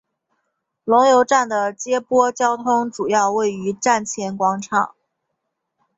龙游站的接驳交通主要位于站前广场。